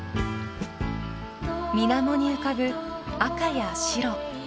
［水面に浮かぶ赤や白］